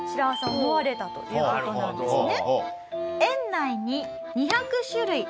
思われたという事なんですね。